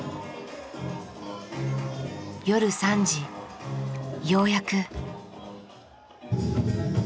夜３時ようやく。